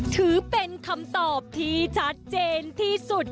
ถือเป็นคำตอบที่ชัดเจนที่สุด